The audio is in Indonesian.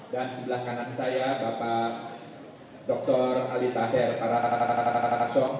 dan sebelah kanan saya bapak dr ali tahir paratatakasong